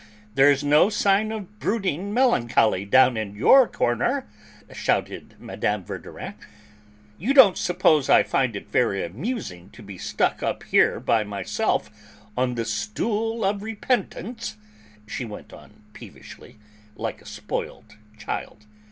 There's no sign of brooding melancholy down in your corner," shouted Mme. Verdurin. "You don't suppose I find it very amusing to be stuck up here by myself on the stool of repentance," she went on peevishly, like a spoiled child.